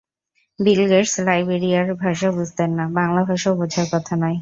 বিল Gates লাইবেরিয়ার ভাষা বুঝতেন না, বাংলা ভাষাও বোঝার কথা নয়।